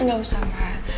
gak usah ma